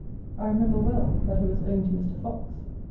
I remember well that it was owing to Mr. Fox.